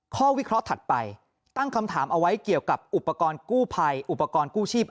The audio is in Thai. วิเคราะห์ถัดไปตั้งคำถามเอาไว้เกี่ยวกับอุปกรณ์กู้ภัยอุปกรณ์กู้ชีพ